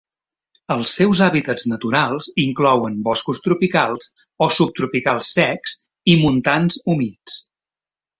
Els seus hàbitats naturals inclouen boscos tropicals o subtropicals secs i montans humits.